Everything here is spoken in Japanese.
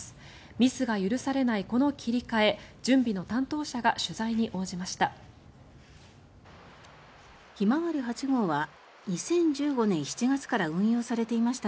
ミスが許されないこの切り替え準備の担当者が取材に応じました。